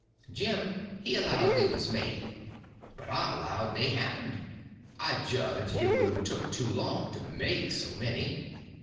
Jim he allowed they was made, but I allowed they happened; I judged it would have took too long to make so many.